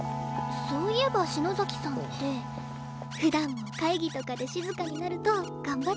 そういえば篠崎さんって普段も会議とかで静かになると頑張っちゃってますよね。